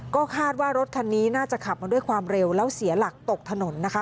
ก็คาดว่ารถคันนี้น่าจะขับมาด้วยความเร็วแล้วเสียหลักตกถนนนะคะ